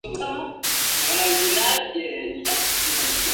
Chris sale y encuentra Meg buscándolo.